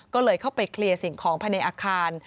ก็เลยเข้าไปเคลียร์สิ่งของภายในอาคาร